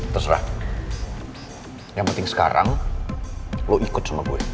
terserah yang penting sekarang lo ikut sama gue